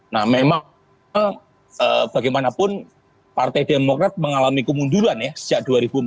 nah memang bagaimanapun partai demokrat mengalami kemunduran ya sejak dua ribu empat belas